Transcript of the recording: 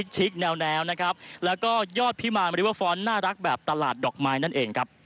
ชิคแนวนะครับแล้วก็ยอดพิมารริเวอร์ฟอร์นต์น่ารักแบบตลาดดอกไม้นั่นเองครับ